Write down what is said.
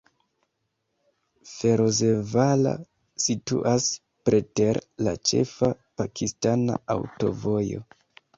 Ferozevala situas preter la ĉefa pakistana aŭtovojo.